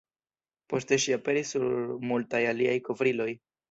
Poste ŝi aperis sur multaj aliaj kovriloj.